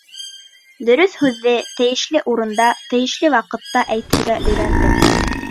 Дөрөҫ һүҙҙе тейешле урында, тейешле ваҡытта әйтергә өйрәндем.